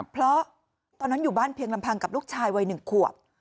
เพราะตอนนั้นอยู่บ้านเพียงลำพังกับลูกชายวัย๑ขวบ